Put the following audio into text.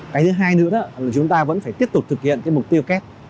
cái thứ hai nữa là chúng ta vẫn phải tiếp tục thực hiện mục tiêu kết